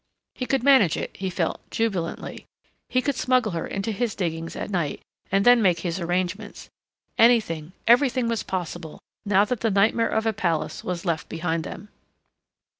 He could manage it, he felt jubilantly. He could smuggle her into his diggings at night and then make his arrangements. Anything, everything was possible, now that the nightmare of a palace was left behind them.